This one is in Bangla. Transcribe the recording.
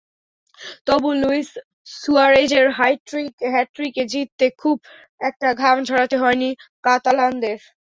তবু লুইস সুয়ারেজের হ্যাটট্রিকে জিততে খুব একটা ঘাম ঝরাতে হয়নি কাতালানদের।